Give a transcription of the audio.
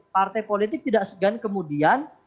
partai politik tidak segan kemudian